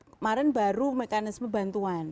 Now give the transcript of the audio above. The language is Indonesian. kemarin baru mekanisme bantuan